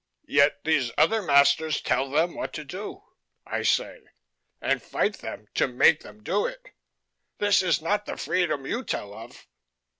"Yet these other masters tell them what to do," I say, "and fight them to make them do it. This is not the freedom you tell of."